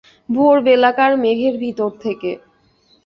ভোরবেলাকার মেঘের ভিতর থেকে।